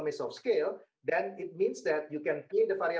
ya saya bisa mendengar dengan baik